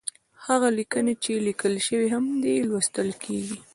هغه ليکنې چې ليکل شوې هم نه دي، لوستل کېږي.